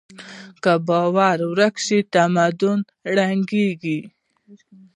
که باور ورک شي، تمدن ړنګېږي.